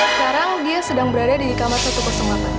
sekarang dia sedang berada di kamar satu ratus delapan